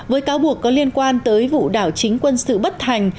với cáo buộc có liên quan tới vụ đảo chính quân sự bất hành